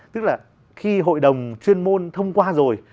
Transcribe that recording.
tức là khi hội đồng chuyên môn thông qua rồi